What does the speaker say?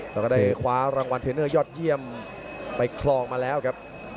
แล้วก็ได้คว้ารางวัลเทรนเนอร์ยอดเยี่ยมไปคลองมาแล้วครับ